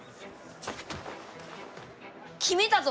決めたぞ！